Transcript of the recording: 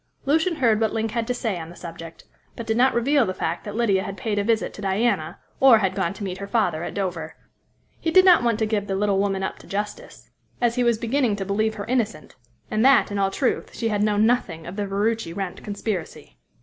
Lucian heard what Link had to say on the subject, but did not reveal the fact that Lydia had paid a visit to Diana, or had gone to meet her father at Dover. He did not want to give the little woman up to justice, as he was beginning to believe her innocent; and that, in all truth, she had known nothing of the Ferruci Wrent conspiracy.